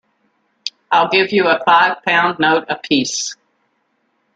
I'll give you a five-pound note apiece.